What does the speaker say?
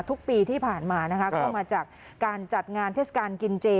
ทุกปีที่ผ่านมานะคะก็มาจากการจัดงานเทศกาลกินเจ